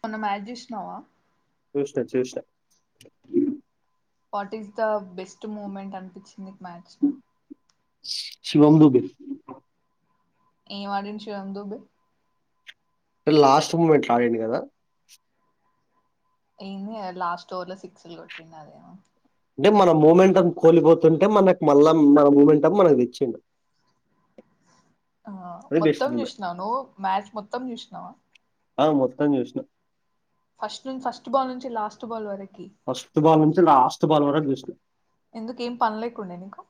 మొన్న మ్యాచ్ చూసినావా చూష్నా చూష్నా what is the best moment అనిపించింది నికు మ్యాచ్ లో శివం దుబే ఏం ఆడిండు శివం దూబే లాస్ట్ మూమెంట్ అడిండు కదా ఏంది లాస్ట్ ఓర్ లో సిక్స్లు కొట్టిండదేన అంటే మన మూమెంటం కోలిపోతుంటే మనకు మళ్ళా మన మూమెంటం మనకు తెచ్చిండు ఆ అది బెస్ట్ మొత్తం మూమెంట్ చూసినా నువు మ్యాచ్ మొత్తం చూసినవా అవ్ మొత్తాం జూష్నా ఫస్ట్ నుంచి ఫస్ట్ బాల్ నుంచి లాస్ట్ బాల్ వరక ఫస్ట్ బాల్ నుంచి లాస్ట్ బాల్ వరకు చూశిన గునేనికు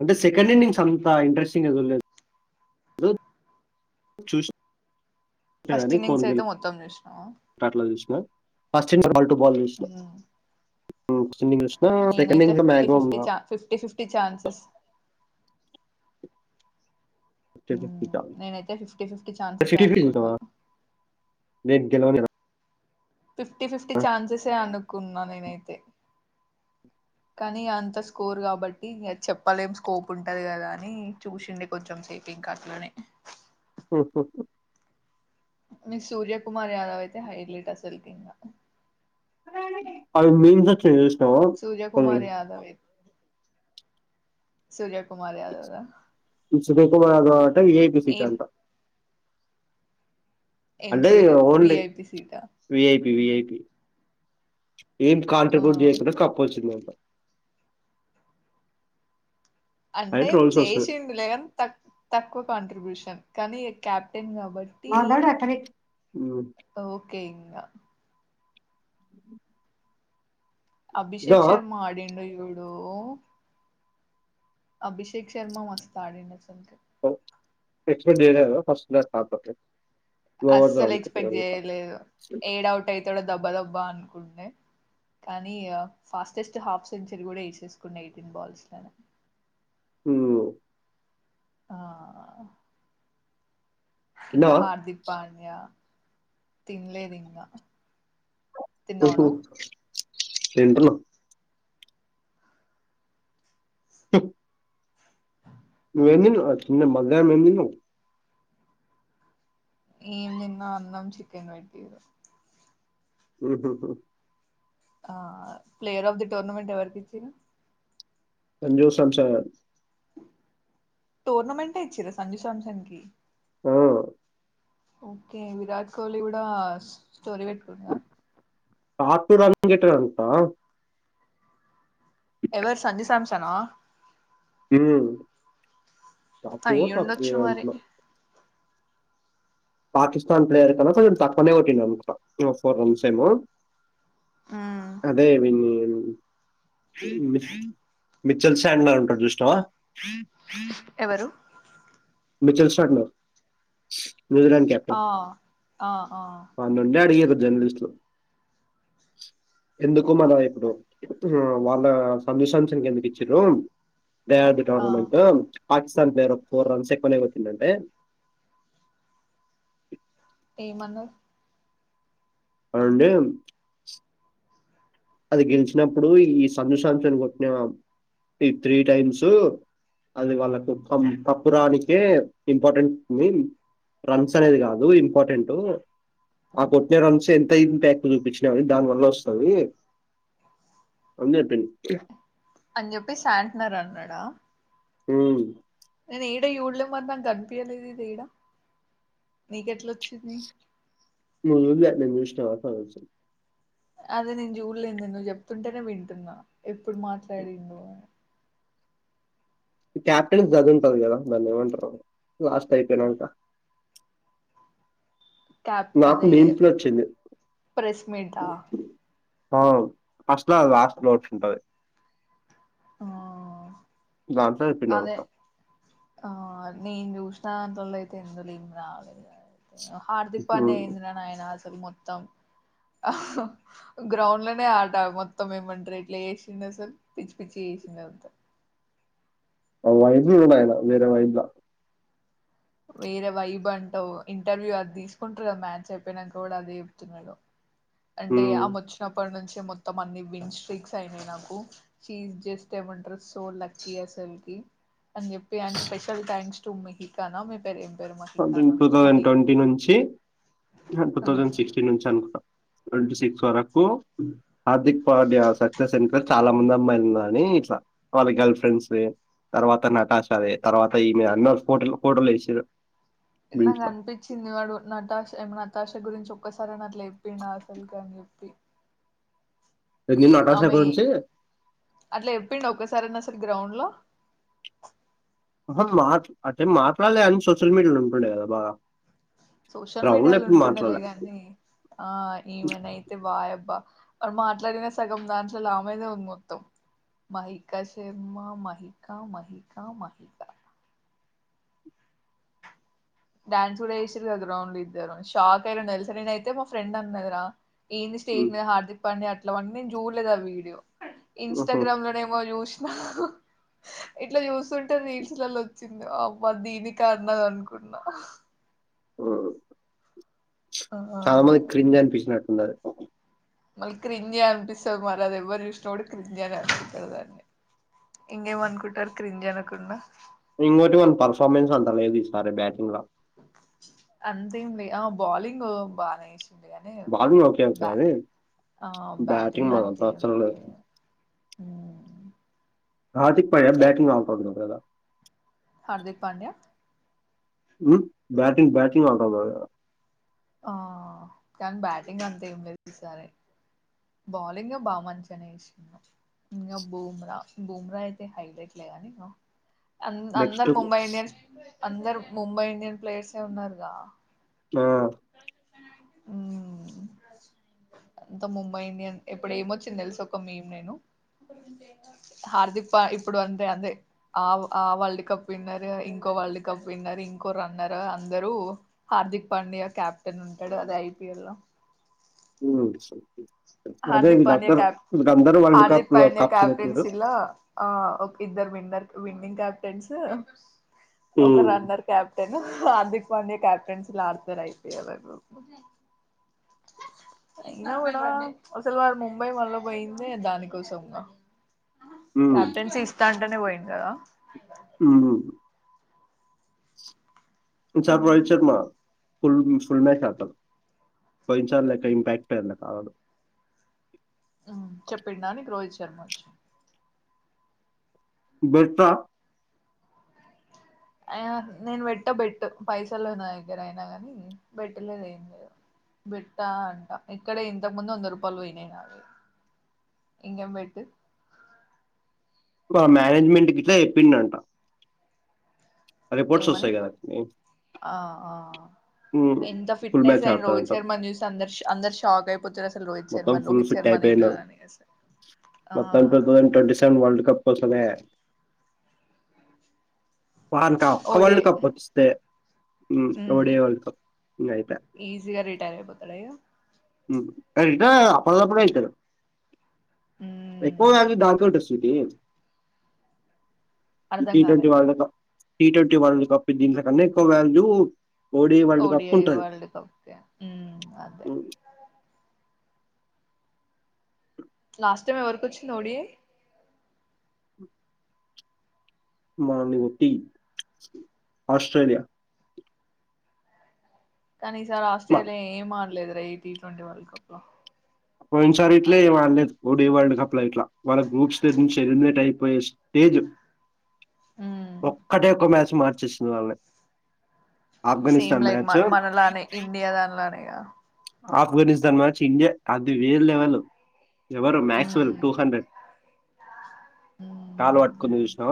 అంటే సెకండ్ ఇన్నింగ్స్ అంత ఇంట్రెస్టింగ్ ఎ చలేదు చూ ఇంట్లో గాని ఫస్ట్ అండి ఇన్నింగ్స్ ఫోన్లో అయితే మొత్తం చూసినావా అట్లా చూసిన first innings ball to ball చూసిన హ్మ్ [unintelligible] నే సెకండ్ నైత ఇన్నింగ్స్ ఫిఫ్టీ మాక్సిమం ఫిఫ్టీ చ ఫిఫ్టీ ఫిఫ్టీ చాన్సెస్ [inaudible] మ్మ్ నేనైతే ఫిఫ్టీ ఫిఫ్టీ ఛాన్సెసే అనుకున్నా గెలవ ఫిఫ్టీ ఫిఫ్టీ ఛాన్సెసే అనుకున్నా నేనైతే కానీ అంత స్కోర్ కాబట్టి ఇగ చెప్పలేం స్కోప్ ఉంటది కదా అని చూసిండి కొంచెం సేపింగ్క అట్లనే అని ఓహ మీ సూర్యకుమార్ యాదవ్ అయితే హైలైట్ అసలు కింగా అవి మీందకి [unintelligible] సూర్య కుమార్ యాదవ ఎ సూర్య కుమార్ యాదవ్ ద కుకు మాగ ఏఐపి సీటంట ఏం అంటే సీటు ఓన్లీ విఐపి సీటా విఐపి విఐపి పి ఏం ఆ కాంట్రిబ్యూట్ చేయకుండా కప్ప్ ఒచ్చిందంట అని అంటే రోల్స్ వస్తుంది చేశిండు లే గని తక్ తక్కువ కాంట్రి బ్యూషన్ కానీ క్యాప్టెన్ గా మ్ [inaudible] అ అభిషేక్ శర్మ ఆడిండు విడు అభిషేక్ శర్మా మస్త్ అడిండు అసల్కి ఎక్సపెక్ట్ చెయ్యలేదా ఫస్ట్ క్లాస్ పార్ట్ ఓకే అస్సలు ఎక్స్పెక్ట్ చేయలేదు ఏడవుట్ అయితడో దబ్బా దబ్బా అనుకుంటే కానీ ఫాస్టెస్ట్ హాఫ్ సెంచరీ కూడా వేసేసుకున్న ఎయిటీన్ బాల్స్ లోనే హుమ్ ఆ ఇంగ హార్దక్ పాండ్య తిన్లేదు ఇంకా మ్ హు తింటున్న హు నువ్వేం తిన్నావు ఆ మధ్యాహ్నం ఎం తిన్నావ్ ఎం తిన్న అన్నం చికెన్ పెట్టిర్రు మ్ హు హు ఆ ప్లేయర్ ఆఫ్ ది టూర్నమెంట్ ఎవరికి ఇచ్చిర్రు సంజు శ్యాంసం టోర్నమెంటే ఏ ఇచ్చిర సంజుశామ్సన్ కి ఆ ఓకే విరాట్ కోహ్లీ కూడా స్టోరీ పెట్టుకుండా కాటూ రాన్ని గేటనుంతా ఎవరు సజీసంసనా హు ప్పుడులో [unintelligible] అయ్యుండొచ్చు మరి ట్లో పాకిస్తాన్ ప్లేయర్ కన్నా కొంచెం తక్కువనే కొట్టిండు అనుకుంటా ఫోర్ రన్స్ ఏమో మ్మ్ అదే విని మీ మిచల్ సాండ్ల ఉంటాడు చూసినావ ఎవరు మిచెల్ శాండ్ న్యూజిలాండ్ ఆ కప్టెన్ ఆ ఆ మొన్నున్నడు జర్నలిస్ట్లు, ఎందుకు మళ ఇప్పుడు వాళ్ళ సంజేశంసంగ్ కి ఎందుకు ఇచ్చిర్రు ప్లే అఫ్ దే ఆ tournament Pakistan player of four runs ఎక్కువనే కొట్టిండు అంటే ఏమన్న ర్ అండి అది గెలిచినప్పుడు ఈ సంజు శాంసన్ కొట్టిన ఈ త్రీ టైమ్స్ అది వాళ్ళకు కప్పురానికే ఇంపార్టెంట్ ఉంది రన్స్ అనేది కాదు ఇంపార్టెంట్ ఆ కొట్టిన రన్స్ ఎంతయింది ప్యాక్ చూపించినయి దాని వల్ల వస్తది అంతేపిన్ అని చెప్పి శాంటనర్ అన్నాడా మ్మహ్ నేను ఏడ చూడ్లే మరి నాకు కనిపియలేదు ఇది ఏడా నీకెట్లొచ్చింది [unintelligible] ఎప్పుడైనా చూష్ణవ అదే నేను జూడలేంద్ నువ్వు చెప్తుంటేనే వింటున్నా, ఎప్పుడు మాట్లాడిండో అన్ కెప్టెన్కు అదుంటది కదా దాన్ని ఏమంటారు లాస్ట్ అయిపోయినాక క్యాప్ నాకు అదే మీమ్సలోచ్చింది ప్రెస్ మీటా ఆ ఫస్ట్లా కాదు లాస్టల ఒకటి ఉంటది ఆ దాంట్ల అదే జెప్పినాంతా ఆ నేన్ చూసిన దాంట్లల్లో అయితే ఎం రాలేదు హార్దిక్ పాండ్య హ్మ్. ఏందిరా నాయన అసలు అసలు మొత్తం గ్రౌండ్ లోనే ఆట మొత్తం ఏమంటారు ఇట్లా చేసిండసలు పిచ్చి పిచ్చి చేసిండ అంత వై [unintelligible] తాగిన వేర వైన్ల వేరే వైబ్ అంటా ఇంటర్వ్యూ అది తీసుకుంటారు కదా మ్యాచ్ అయిపోయినాక కూడా అది చెబతున్నాడు అంటే ఉమ్. ఆమె వచ్చినప్పటి నుంచి మొత్తం అన్ని విన్ స్ట్రిక్స్ అయినాయి నాకు షీ ఐస్ జస్ట్ ఏమంటారు సో లక్కీ అసల్ కి అని చెప్పి అడ్ స్పెషల్ థ్యాంక్స్ టు మిహకానా ఆమి పేరం టూ థౌజండ్ ట్వంటీ నుంచి టూ థౌజండ్ ఆ సిక్స్టీన్ నుంచి అనుకుంట ట్వంటీసిక్స్ వరకు హార్దిక్ పాండ్య సక్సెస్ వెనక చాలా మంది అమ్మాయిలున్నారని ఇట్లా వాళ్ళ గర్ల్ ఫ్రెండ్స్ తర్వాత నటాషదే తర్వాత ఈమె అన్న ఫోటోలు ఫోటోలు వేసిారు నాకు అనిపించింది వాడు నటాష్మ నటాష్ గురించి ఒక్కసారిని అట్లా చెప్పిన అసలుగా అని చెప్పి నిన్న నటాషా అమె గురించి అట్లే చెపిండ్ ఒక్కసారి గ్రౌండ్ లో ఉహుమ్ మా అంటే మాట్లాాలే అని సోషల్ మీడియాలో ఉంటుండే కదా బాగా సోషల్ గ్రౌండ్ లో మీడియాలో ఎప్పుడు ఉంటుండలే మాట్లాడలే గాని ఆ ఏమైనా అయితే వాయబ్బా మ మాట్లాడిన సగం దాంట్లో లామయిద ఉంది మొత్తం మహిక శర్మ మహిక మహిక మహిక డ్యాన్స్ కూడా వేసిరు కదా ర్రౌండ్లు ఇద్దరు షాక్ అయిండి తెలుసా నేన అయితే మా ఫ్రెండ్ అన్నాదిరా ఏ ఉమ్, స్టేజ్ హార్దిక్ పని అట్లావన్నీ చూడలేదు ఆ వీడియో ఉహు, ఇన్స్టాగ్రామ్ లో చుష్ ఇట్లు చుస్ స్తుంటే నీల్స్ లలో వచ్చింది మ దీనిక అన్నది అనుకుం న్న ఉమ్ ఆ చాలా మంది క్రింజ అనిపించినట్టు అన్నారు మళ్ళీ క్రింజి అనిపిస్తుంది మరి అది ఎవ్వరు చూసినాప్పుడు క్రింజి అని అనిపిస్తుంది దాన్ని ఇంకేమ అనుకుంటారు క్రింజి అనకుండా ఇంకోకటి మన పర్ఫార్మెన్స్ అంత లేదు ఇస్తారే బ్యాటింగ్ లో అంతేంది ఆ బౌలింగ్ బానే ఇష్ట ఉంది కానీ బౌలింగ్ ఓకే ఓకే బ కానీ ఆ బ్యాటింగ్ లాంటి మనకు ఎమ్ అసలు లేధు లేదు అండీ ఉమ్ హార్థక్ పడయా బ్యాటింగ్ ఆవుట్ ఒక హార్దక్ పాండయా ఉమ్ బ్యాటింగ్ బ్యాటింగ్ అట ఆ కానీ బ్యాటింగ్ అంత ఏం లే సరే బౌలింగ్ బాగా మంచి అనే ఇసా ఇంకా బూమ్రా బూమ్రా అయితే హైలైట్లే నిక అ నెక్స్ట్ అందరు ముంబై ఇండియన్స్ అందరు ముంబై ఇండియన్ ప్లేయర్స్ ఉన్నారుగా ఆ ఉమ్ అంత ముంబై ఇండియన్ ఇప్పుడు ఏమొచ్చింది తెలుస ఒక ఒక మేం నేను హార్దిక్ ఇప్పుడు అంటే అంతే ఆ ఆ వరల్డ్ కప్ విన్నర్ ఇంకో వరల్డ్ కప్ విన్నర్ ఇంకో రన్నర్ అందరూ హార్దిక్ పాండ్యా కెప్టెన్ ఉంటాడు అద ఐపిఎల్ లో ఉ స హార్దిక్ పాండ్యా కప్ వీళ్ళందరూ వరల్డ్ హార్దిక్ కప్‌లో పాండ్యా కప్స్ క్యాప్టెన్స్ కొట్టిర్రు. ఇలా ఆ ఇద్దర్ విన్నెఆర్ విన్నింగ్ క్యాప్టెన్స్ ఒక హ్మ్. Runner captain Hardik Pandya captaincy లా ఆడుతారుయితే అ అయినా కూడా అసలు వారు ముంబై మళ్ళ పోయింది దానికోసము గా హ్మ్. కప్టన్సి ఇస్తాన్ అట్లనే పోయింది కదా ఉహు చార్ వాయిచర్మ ఫుల్ మీ ఫుల్ మ్యాచ్ ఆడుతారు పోయింసారి లేక ఇంపాక్ట్ అయిందా బాగా ఉ చెప్పిండా నీకు రోహిత్ శర్మ వచ్చి బెట్ట అయ నేను పెట్ట బెట్టు పైస లేవు నా దగ్గర అయినా, కాని బెట్టులేదు ఏం లేదు బేట్ట అంటా ఇక్కడే ఇంతకు ముందు వంద రూపాలు పోయినాయి. నావి ఇంకేం బెట్టు మేనేజ్మెంట్ గిట్ల చెప్పిండంట రిపోర్ట్స్ ఏమనీ ఒస్తాయి కదా! ఆఆ హ్మ్. ఎంత ఫుల్ ఫిట్నెస్ మ్యాచ్ అయిన రోహిత్ ఆడతాడంట. శర్మ ను చూస్తే అందరు అందరు షాక్ అయిపో పుచ్చర్ అసలు రోహిత్ మొత్తం శర్మను ఫుల్ రోహిత్ ఫిట్ శర్మ అయిపోయిండు. నేనానీ అసలు ఆ మొత్తం వరల్డ్ కప్ కోసమే వానీకా ఆ ఒక్క వరల్డ్ ఓడిఐ కప్ లభిస్తే ఉ ఉమ్ ఓడే వరల్డ్ కప్ ఇగ అయిపాయే ఈజీగా రిటైర్ అయిపోతాడు ఇగ అయినా అప్పడిదప్పుడే అయితరు ఎక్కువ ఉమ్ గానీ దాంతో టసూకే ఈ అర్ధం టి కాలే twenty world cup T twenty world cup ఇంక ఇంత కన్న ఎక్కువకాదు ఓడిఐ వర్ల్డ్ కప్ కే ఉ అదే లాస్ట్ టైమ్ ఎవరికి వచ్చింది ఓడిఐ మార్నింగ్ టీ ఆస్ట్రేలియా కానీ ఈసారి మ- ఆస్ట్రేలియా ఏం అడ్లే లేదు రా ఈ టీ ట్వంటీ వర్ల్డ్ కప్ లో పోయిన సారి ఇట్లే వనేత్ పోతే వరల్డ్ కప్ ల ఇట్ల వాళ్ళ గ్రూప్స్ దగ్ నుంచి ఎలిమినేటు అయిపోయే స్టేజు ఉమ్ ఒక్కటెక్కుమే వచ్చి మార్చేసిన్వాల్లె సేమ్ లైక్ మ మనలానే ఇండియా దానిలానే య ఆఫ్ఘనిస్తాన్ మ్యాచ్ ఇండియా అది వేరు లెవెల్ ఎవరు మ్యాక్సివల్ ఉమ్ టూ హండ్రెడ్ కాలు వట్టుకుంది చూసినావ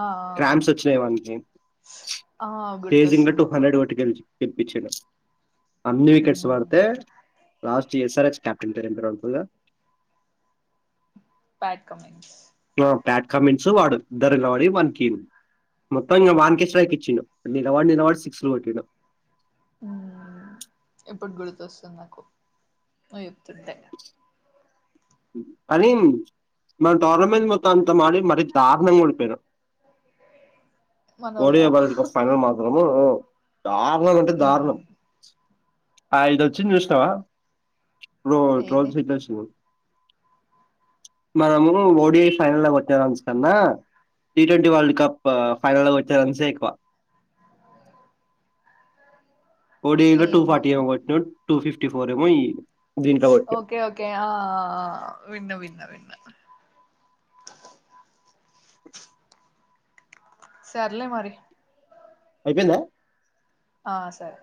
ఆ క్రామ్స్ వచ్చినాయి వానీకి ఆ కేేజింగ్ ల గుర్తొస్తుంది టూ ఇప్పుడు హండ్రెడ్ కొట్టి గెలిచి తెప్పిచినా అన్ని వికెట్స్ వడుతే లాస్ట్ ఎస్ఆర్ఎచ్ క్యాప్టన్ పేరు ఏం పేరో ఉంటుది గదా బ్యాడ్ కమెంట్స్ బ్యాడ్ కామెంట్స్ వాడు ఇద్దరు నిలవాడి వాన్ కి మొత్తం ఇంక వాన్కె స్ట్రైక్ ఇచ్చిడు. నిలవాడి నిలవాడి సిక్స్ కొట్టిడు. ఇప్పుడు గుర్తొస్తుంది నాకు నువ్ చెప్తుంటే అరే మన టోర్నమెంట్ మొత్తం అంత మ మరి దారుణంగా ఓడిపోయారు. మనోళ్ళ ఓడిఐ ఫైనల్ మాకు అవును దారుణంగంటే దారుణం. ఆ ఇదొచ్చింది చూసినావా. ఇప్పుడు ఏది ట్రోల్స్వి మనము ఓడిఐ ఫైనల్ వచ్చే రన్స్ కన్నా, టీ ట్వంటీ వరల్డ్ కప్ ఫైనల్లో వచ్చే రన్సే ఎక్కువ. ఓడిఐ లో టూఫార్టీ ఏమో కొట్టినడు టూ ఫిఫ్టీ ఫోరేమో ఇయి చ్ ఓకే ఓకే ఆ విన్న విన్న విన్న [unintelligible] సర్లే మరి అయ్ పోయిందా. ఆ సరే